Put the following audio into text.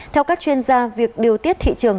theo các chuyên gia việc điều tiết thị trường